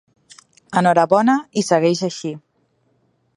Enhorabona i segueix així.